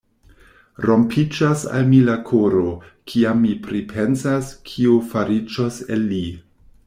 Rompiĝas al mi la koro, kiam mi pripensas, kio fariĝos el li!